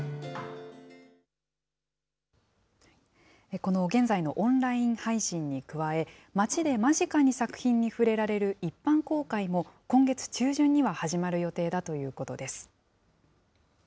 この現在のオンライン配信に加え、町で間近に作品に触れられる一般公開も、今月中旬には始まる予定だということです。